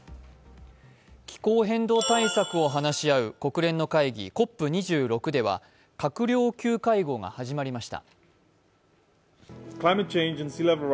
気候変動対策を話し合う国連の会議、ＣＯＰ２６では閣僚級会合が始まりました。